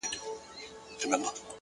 پوهه د ذهن بندیزونه ماتوي؛